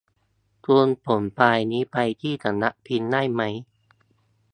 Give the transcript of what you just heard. คุณส่งไฟล์นี้ไปที่สำนักพิมพ์ได้มั้ย